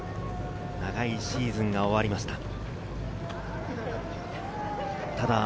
長いシーズンが終わりました。